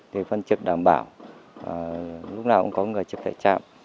thì phân trực đảm bảo lúc nào cũng có người trực tại chạm